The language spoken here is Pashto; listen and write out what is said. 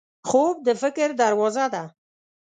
خوب د فکر دروازه ده